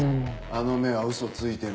あの目は嘘ついてない。